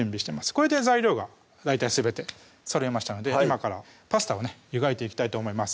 これで材料が大体すべてそろいましたので今からパスタをね湯がいていきたいと思います